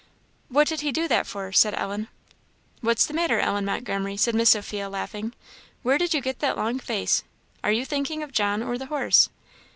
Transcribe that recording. "What did he do that for?" said Ellen. "What's the matter, Ellen Montgomery?" said Miss Sophia, laughing; "where did you get that long face? Are you thinking of John or the horse?"